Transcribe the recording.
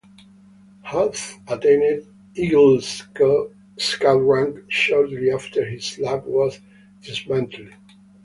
Hahn attained Eagle Scout rank shortly after his lab was dismantled.